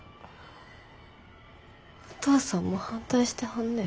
お父さんも反対してはんねや。